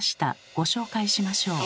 ご紹介しましょう。